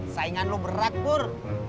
saingan lo berat pur